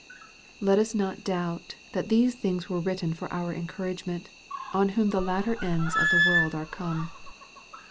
Let us not doubt that these things were written for our encouragement, on whom the latter ends of the world are come.